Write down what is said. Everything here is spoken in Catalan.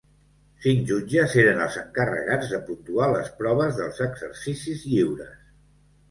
Cinc jutges eren els encarregats de puntuar les proves dels exercicis lliures.